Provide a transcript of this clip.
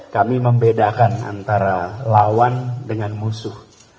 kami membedakan antara lawan dengan musuh